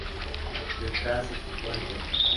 Detrás se sitúa el coro.